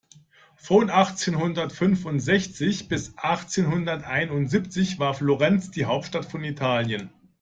Von achtzehnhundertfünfundsechzig bis achtzehnhunderteinundsiebzig war Florenz die Hauptstadt von Italien.